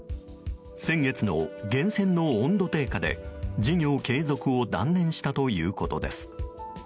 先月の源泉の温度低下で事業継続を断念したということです。